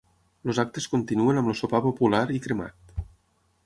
Els actes continuen amb el sopar popular i cremat.